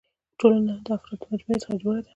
ټولنه د افرادو له مجموعي څخه جوړه ده.